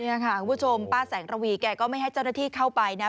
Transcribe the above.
นี่ค่ะคุณผู้ชมป้าแสงระวีแกก็ไม่ให้เจ้าหน้าที่เข้าไปนะ